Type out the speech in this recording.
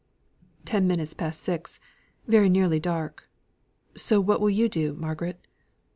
"Ten minutes past six; very nearly dark. So what will you do, Margaret?"